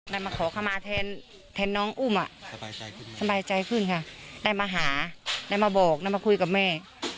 มาขอเข้ามาแทนน้องอุ้มสบายใจขึ้นค่ะได้มาหาได้มาบอกได้มาคุยกับแม่